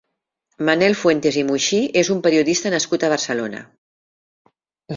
Manel Fuentes i Muixí és un periodista nascut a Barcelona.